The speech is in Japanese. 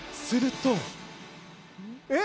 すると。